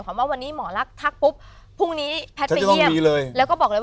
ความว่าวันนี้หมอน๒๕พุ่งนี้แพทย์ไปเดี๋ยวเลยแล้วก็บอกเลย